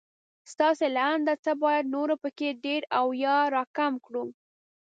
ستاسې له انده څه بايد نور په کې ډېر او يا را کم کړو